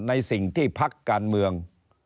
ในสิ่งที่พักการเมือง